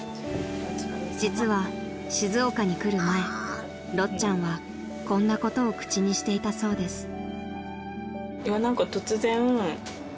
［実は静岡に来る前ろっちゃんはこんなことを口にしていたそうです］